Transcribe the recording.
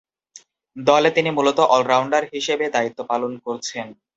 দল তিনি মূলতঃ অল-রাউন্ডার হিসেবে দায়িত্ব পালন করছেন।